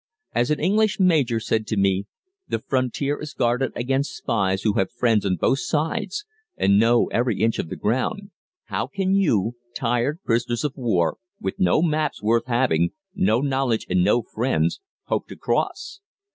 As an English major said to me, "The frontier is guarded against spies who have friends on both sides and know every inch of the ground; how can you, tired prisoners of war, with no maps worth having no knowledge and no friends hope to cross?"